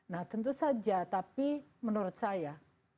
nah tentu saja tapi menurut saya